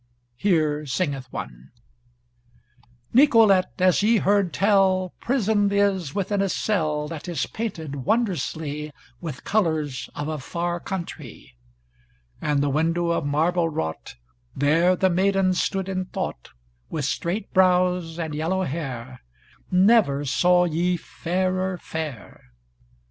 Here singeth one: Nicolete as ye heard tell Prisoned is within a cell That is painted wondrously With colours of a far countrie, And the window of marble wrought, There the maiden stood in thought, With straight brows and yellow hair Never saw ye fairer fair!